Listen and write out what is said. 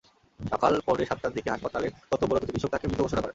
সকাল পৌনে সাতটার দিকে হাসপাতালের কর্তব্যরত চিকিৎসক তাঁকে মৃত ঘোষণা করেন।